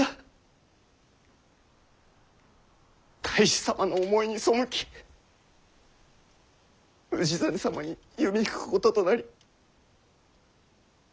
太守様の思いに背き氏真様に弓引くこととなり。